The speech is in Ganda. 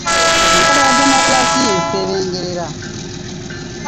Enkola ya demokulasiya esebengerera.